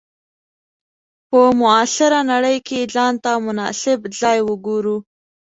په معاصره نړۍ کې ځان ته مناسب ځای وګورو.